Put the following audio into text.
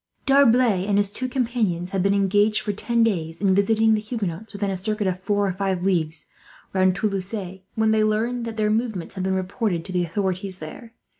D'Arblay and his two companions had been engaged, for ten days, in visiting the Huguenots within a circuit of four or five leagues round Toulouse, when they learned that their movements had been reported to the authorities there.